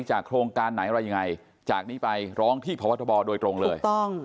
โครงการไหนอะไรยังไงจากนี้ไปร้องที่พบทบโดยตรงเลยถูกต้อง